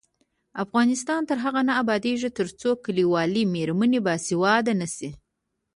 افغانستان تر هغو نه ابادیږي، ترڅو کلیوالې میرمنې باسواده نشي.